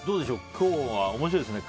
今日は面白いですね